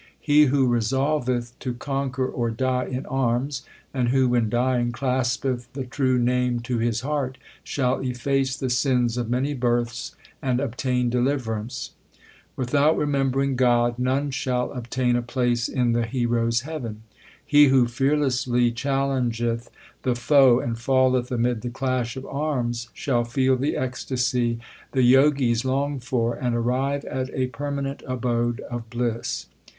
He who resolveth to conquer or die in arms, and who, when dying, claspeth the True Name to his heart, shall efface the sins of many births and obtain deliverance. Without remembering God LIFE OF GURU ARJAN 69 none shall obtain a place in the heroes heaven. He who fearlessly challengeth the foe and falleth amid the clash of arms, shall feel the ecstasy the Jogis long for, and arrive at a permanent abode of bliss.